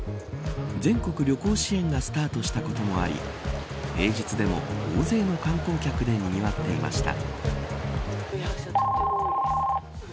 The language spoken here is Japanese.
全国旅行支援がスタートしたこともあり平日でも大勢の観光客でにぎわっていました。